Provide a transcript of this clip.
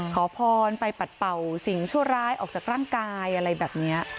ขอพรไปปัดเป่าสิ่งชั่วร้ายออกจากร่างกายอะไรแบบนี้